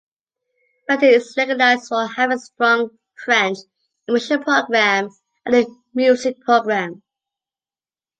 Banting is recognized for having a strong French Immersion program and a music program.